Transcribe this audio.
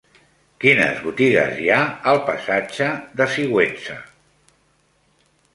Quines botigues hi ha al passatge de Sigüenza?